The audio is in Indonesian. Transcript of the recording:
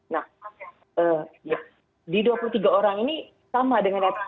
nah di dua puluh tiga orang ini sama dengan